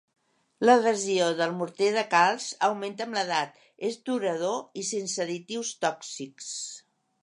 L'adhesió del morter de calç augmenta amb l'edat, és durador i sense additius tòxics.